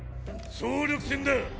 総力戦だ！